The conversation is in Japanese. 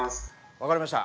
分かりました。